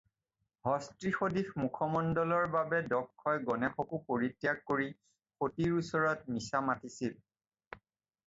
হস্তীসদৃশ মুখমণ্ডলৰ বাবে দক্ষই গণেশকো পৰিত্যাগ কৰি সতীৰ ওচৰত মিছা মাতিছিল।